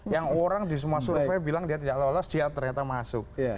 yang orang di semua survei bilang dia tidak lolos dia ternyata masuk